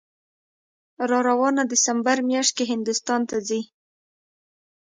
راروانه دسامبر میاشت کې هندوستان ته ځي